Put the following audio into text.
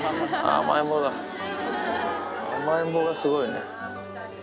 甘えん坊がすごいね。